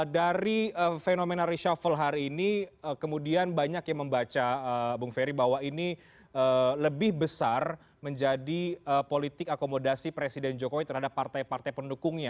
dari fenomena reshuffle hari ini kemudian banyak yang membaca bung ferry bahwa ini lebih besar menjadi politik akomodasi presiden jokowi terhadap partai partai pendukungnya